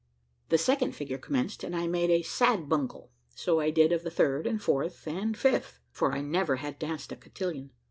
The second figure commenced, and I made a sad bungle: so I did of the third, and fourth, and fifth, for I never had danced a cotillon.